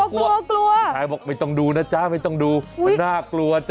กลัวกลัวชายบอกไม่ต้องดูนะจ๊ะไม่ต้องดูมันน่ากลัวจ้